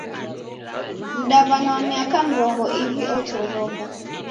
Mdaw'ana wa miaka mrongo iw'i otoroka.